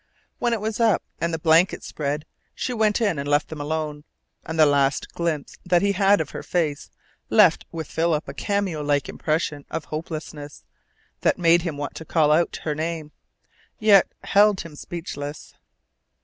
When it was up, and the blankets spread, she went in and left them alone, and the last glimpse that he had of her face left with Philip a cameo like impression of hopelessness that made him want to call out her name, yet held him speechless.